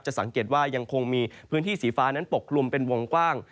สังเกตว่ายังคงมีพื้นที่สีฟ้านั้นปกคลุมเป็นวงกว้าง